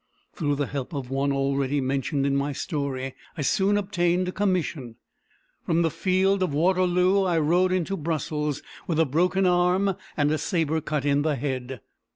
Through the help of one already mentioned in my story, I soon obtained a commission. From the field of Waterloo, I rode into Brussels with a broken arm and a sabre cut in the head.